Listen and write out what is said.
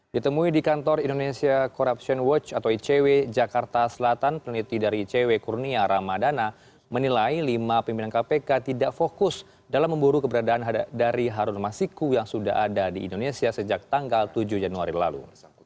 ditemui di kantor indonesia corruption watch atau icw jakarta selatan peneliti dari icw kurnia ramadana menilai lima pimpinan kpk tidak fokus dalam memburu keberadaan dari harun masiku yang sudah ada di indonesia sejak tanggal tujuh januari lalu